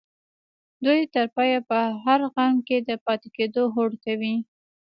دوی تر پايه په هر غم کې د پاتې کېدو هوډ کوي.